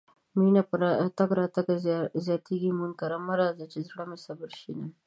مينه په تګ راتګ زياتيږي مونږ کره مه راځه چې زړه دې صبر شينه